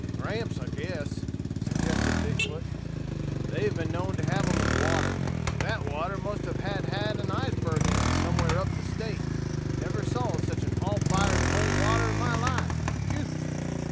"Cramps I guess," suggested Big foot. "They have been known to have 'em in the water. That water must have had an iceberg in it somewhere up the state. Never saw such all fired cold water in my life. Whew!"